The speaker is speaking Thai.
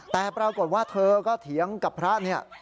แต่ปรากฏว่าเธอก็เถียงกับพระเนี่ย